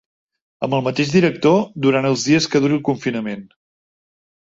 Amb el mateix director, durant els dies que duri el confinament.